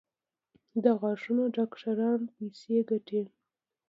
د غاښونو ډاکټران پیسې ګټي؟